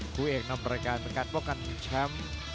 ครูเอกนำรายการเป็นการป้อกัดชัม